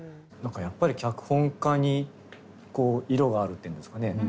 何かやっぱり脚本家に色があるっていうんですかね。